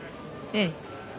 ええ。